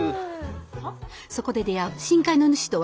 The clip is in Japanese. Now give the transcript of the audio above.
そこで出会う深海の主とは一体？